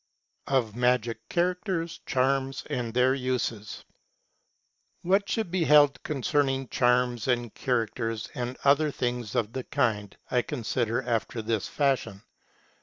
II. OF MAGIC CHARACTERS, CHARMS, AND THEIR USES. What should be held concerning charms, and characters, and other things of the kind, I consider after this fashion.